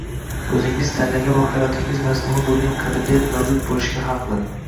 o’zingiz tanlagan va hayotingiz mazmuni bo’lgan qadriyat mavjud bo’lishga haqli